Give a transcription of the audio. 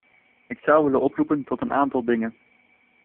Ik zou willen oproepen tot een aantal dingen.